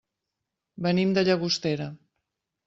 Venim de Llagostera.